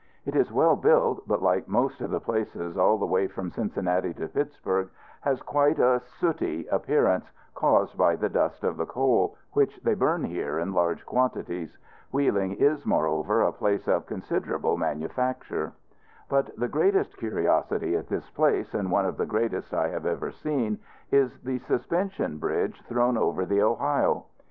It is well built, but, like most of the places all the way from Cincinnati to Pittsburg, has quite a sooty appearance, caused by the dust of the coal, which they burn here in large quantities. Wheeling is, moreover, a place of considerable manufacture. But the greatest curiosity at this place, and one of the greatest I have ever seen, is the suspension bridge thrown over the Ohio.